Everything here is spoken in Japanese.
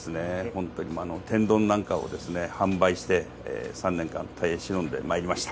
本当に、天丼なんかを販売して、３年間、耐え忍んでまいりました。